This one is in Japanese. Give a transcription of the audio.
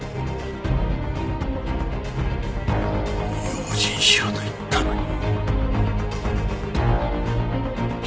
用心しろと言ったのに。